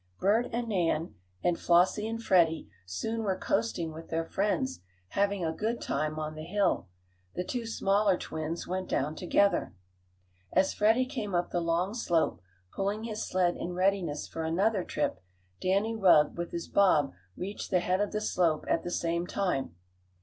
Bert and Nan, and Flossie and Freddie, soon were coasting with their friends, having a good time on the hill. The two smaller twins went down together. As Freddie came up the long slope, pulling his sled in readiness for another trip, Danny Rugg with his bob reached the head of the slope at the same time.